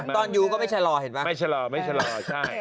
ตอนอยู่ก็ไม่ชะลอเห็นปะ